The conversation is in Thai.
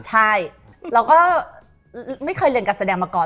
ใช่เราก็ไม่เคยเรียนการแสดงมาก่อน